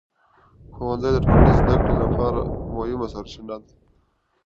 ښوونځي د ټولنیز زده کړو لپاره مهمه سرچینه ده.